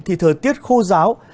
thì thời tiết khô giáo